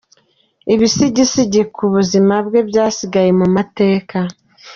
Ibisigisigi ku buzima bwe byasigaye mu mateka.